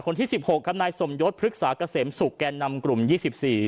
ที่สิบหกครับนายสมยศพฤกษาเกษมศุกร์แก่นำกลุ่มยี่สิบสี่